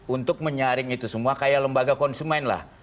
untuk menyaring itu semua kayak lembaga konsumen lah